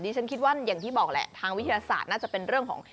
ฉันคิดว่าอย่างที่บอกแหละทางวิทยาศาสตร์น่าจะเป็นเรื่องของ